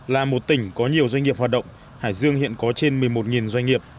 là một tỉnh có nhiều doanh nghiệp hoạt động hải dương hiện có trên một mươi một doanh nghiệp